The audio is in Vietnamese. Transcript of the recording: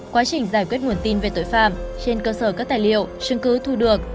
quá trình giải quyết nguồn tin về tội phạm trên cơ sở các tài liệu chứng cứ thu được